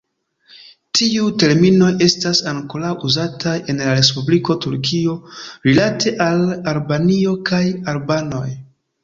Tiuj terminoj estas ankoraŭ uzataj en la Respubliko Turkio rilate al Albanio kaj albanoj.